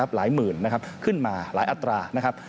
หลายหมื่นนะครับขึ้นมาหลายอัตรานะครับ